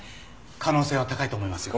可能性は高いと思いますよ。